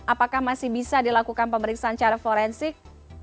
apakah masih bisa dilakukan pemeriksaan secara forensik